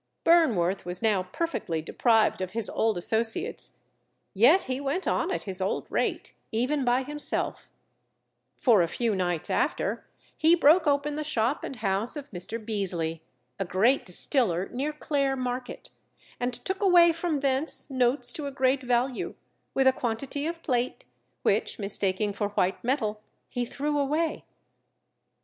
Burnworth was now perfectly deprived of his old associates, yet he went on at his old rate, even by himself; for a few nights after, he broke open the shop and house of Mr. Beezely, a great distiller near Clare Market, and took away from thence notes to a great value, with a quantity of plate, which mistaking for white metal he threw away.